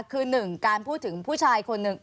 คือหนึ่งการพูดถึงผู้ชายคนหนึ่ง